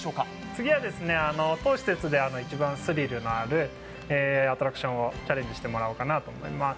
次は当施設で一番スリルのあるアトラクションにチャレンジしていただこうと思います。